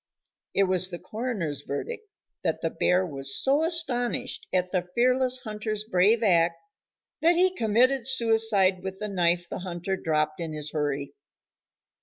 It was the coroner's verdict that the bear was so astonished at the fearless hunter's brave act that he committed suicide with the knife the hunter dropped in his hurry.